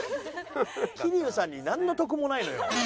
桐生さんになんの得もないのよ。